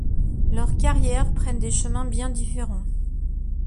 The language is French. Leurs carrières prennent des chemins bien différents.